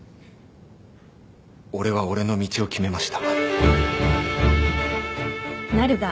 俺は俺の道を決めました。